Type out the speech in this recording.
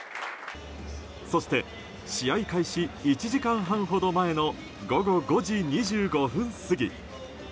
そして試合開始１時間半ほど前の午後５時２５分過ぎ。